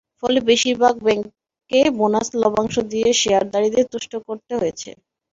ফলে বেশির ভাগ ব্যাংককে বোনাস লভ্যাংশ দিয়ে শেয়ারধারীদের তুষ্ট করতে হয়েছে।